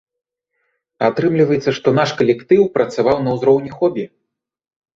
Атрымліваецца, што наш калектыў працаваў на ўзроўні хобі.